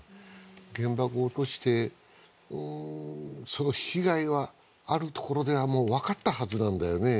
原爆を落としてその被害はある所ではもう分かったはずなんだよね